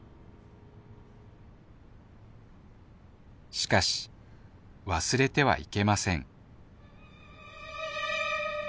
しかし忘れてはいけません